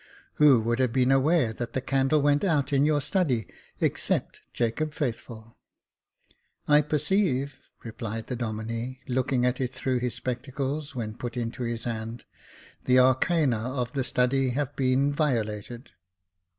Who would have been aware that the candle went out in your study, except Jacob Faithful ?" "I perceive," replied the Domine, looking at it through his spectacles, when put into his hand, " the arcana of the study have been violated."